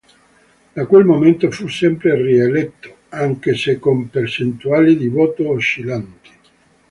Da quel momento fu sempre rieletto, anche se con percentuali di voto oscillanti.